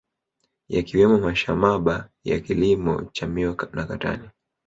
Yakiwemo mashamaba ya kilimo cha miwa na katani